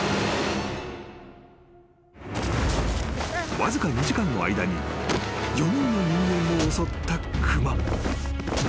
［わずか２時間の間に４人の人間を襲った熊］